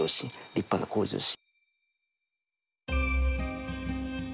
立派な向上心。